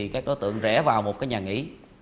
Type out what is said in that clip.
các đối tượng rẽ vào một nhà nghỉ